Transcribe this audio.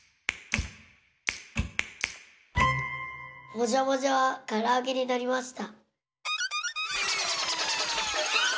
もじゃもじゃはからあげになりました。